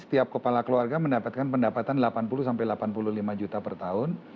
setiap kepala keluarga mendapatkan pendapatan delapan puluh sampai delapan puluh lima juta per tahun